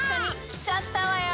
きちゃったよ！